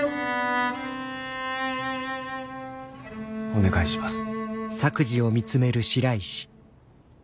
お願いします。